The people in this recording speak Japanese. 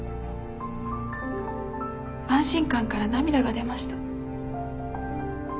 安心感から涙が出ました。